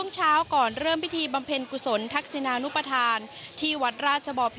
เชิญครับ